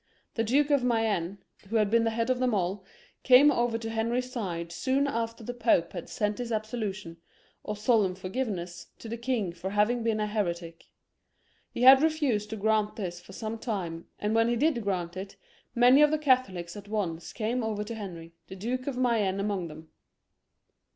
The Duke of Mayenne, who had been the head of them all, came over to Henry's side soon after the Pope had sent his absolution or solemn forgiveness to the king for having been a heretic. He had refused to grant this for some time, and when he did grant it, many of the Catholics came Over at once to Henry, the Duke of May enne among them.